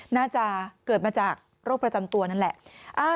น่าจะเกิดมาจากโรคประจำตัวนั่นแหละ